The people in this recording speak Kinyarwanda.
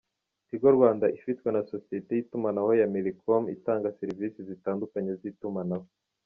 Tigo Rwanda ifitwe na sosiyete y’itumanaho ya Millicom itanga serivisi zitandukanye z’itumanaho.